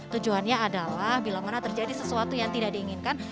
tujuannya adalah bila mana terjadi sesuatu yang tidak diinginkan